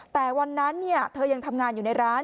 แต่วันนั้นเธอยังทำงานอยู่ในร้าน